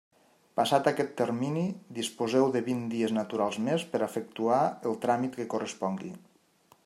Passat aquest termini disposeu de vint dies naturals més per efectuar el tràmit que correspongui.